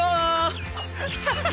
ハハハハハ。